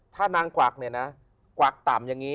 ถ้านางกวักเนี่ยนะกวักต่ำอย่างนี้